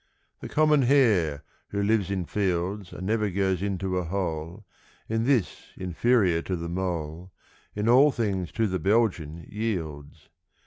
= The common hare, who lives in fields And never goes into a hole, (In this inferior to the mole) In all things to the Belgian yields.